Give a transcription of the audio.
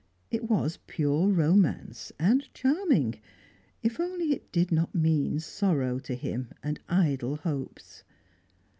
It was pure romance, and charming if only it did not mean sorrow to him and idle hopes.